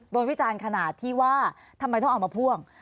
วิจารณ์ขนาดที่ว่าทำไมต้องเอามาพ่วง